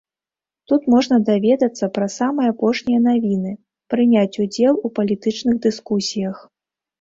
Тут можна даведацца пра самыя апошнія навіны, прыняць удзел у палітычных дыскусіях.